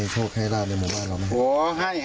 จะมาให้โชคให้ลาภในหมู่บ้านเราไหม